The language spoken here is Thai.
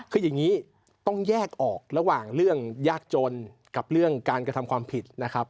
คืออย่างนี้ต้องแยกออกระหว่างเรื่องยากจนกับเรื่องการกระทำความผิดนะครับ